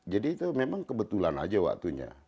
jadi itu memang kebetulan aja waktunya